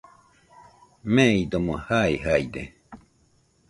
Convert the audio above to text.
meidomo jaijaide.